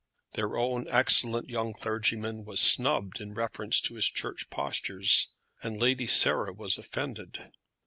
Their own excellent young clergyman was snubbed in reference to his church postures, and Lady Sarah was offended.